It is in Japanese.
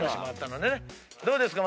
どうですか？